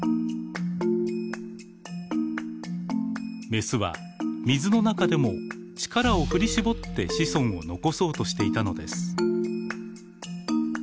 メスは水の中でも力を振り絞って子孫を残そうとしていたのです。